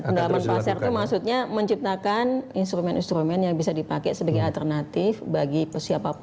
pendalaman pasar itu maksudnya menciptakan instrumen instrumen yang bisa dipakai sebagai alternatif untuk membuat investasi yang lebih baik